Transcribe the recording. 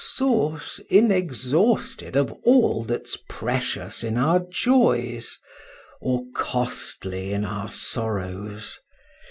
source inexhausted of all that's precious in our joys, or costly in our sorrows!